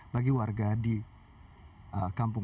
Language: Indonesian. bagi warga di kampung